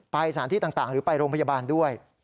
สถานที่ต่างหรือไปโรงพยาบาลด้วย